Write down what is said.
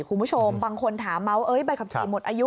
คุณผู้ชมบางคนถามมาว่าใบขับขี่หมดอายุ